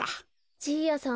じいやさん